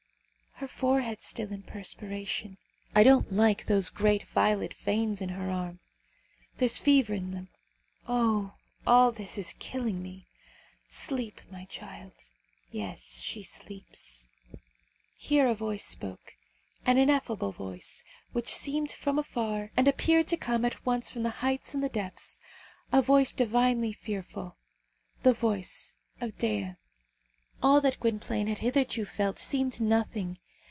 Her forehead is still in perspiration. I don't like those great violet veins in her arm. There is fever in them. Oh! all this is killing me. Sleep, my child. Yes; she sleeps." Here a voice spoke: an ineffable voice, which seemed from afar, and appeared to come at once from the heights and the depths a voice divinely fearful, the voice of Dea. All that Gwynplaine had hitherto felt seemed nothing.